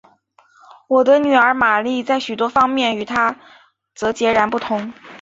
我的女儿玛丽在许多方面与她则截然不同。